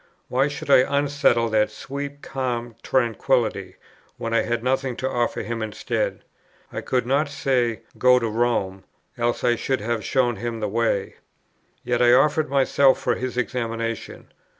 Why should I unsettle that sweet calm tranquillity, when I had nothing to offer him instead? I could not say, "Go to Rome;" else I should have shown him the way. Yet I offered myself for his examination.